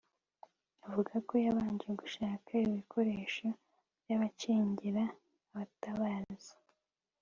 avuga ko yabanje gushaka ibikoresho by'abacengeri (abatabazi)